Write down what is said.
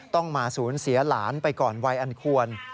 ต้องมาสูญเสียหลานไปก่อนวัยอันควร